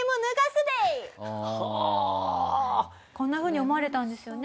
こんなふうに思われたんですよね。